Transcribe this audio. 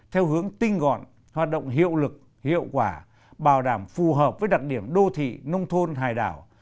theo hướng tinh gọn hoạt động hiệu lực hiệu quả bảo đảm phù hợp với đặc điểm đô thị nông thôn hải đảo